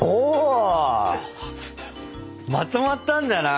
まとまったんじゃない？